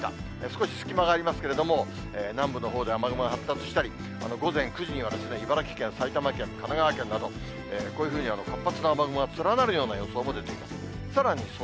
少し隙間がありますけれども、南部のほうでは雨雲が発達したり、午前９時にはですね、茨城県、埼玉県、神奈川県など、こういうふうに活発な雨雲が連なるような予想も出ています。